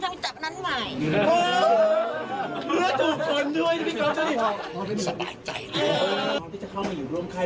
เรามีปัญหาตรงนี้ไหมคะค่ะไม่มีค่ะ